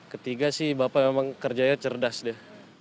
ketiga sih bapak memang kerjanya cerdas deh